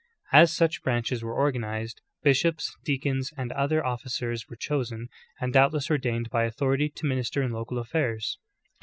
As such branches were organized, bishops, deacons, and other officers were chosen, and doubtless ordained by authority, to m.inister in local affairs.